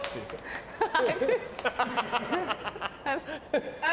ハハハ。